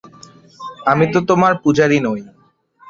আমি তো তোমার পূজারী নই।